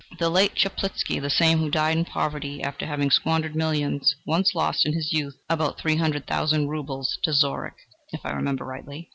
The late Chaplitzky the same who died in poverty after having squandered millions once lost, in his youth, about three hundred thousand roubles to Zorich, if I remember rightly.